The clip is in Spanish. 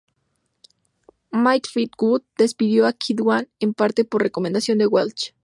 Mick Fleetwood despidió a Kirwan en parte por recomendación de Welch.